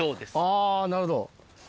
あぁなるほど。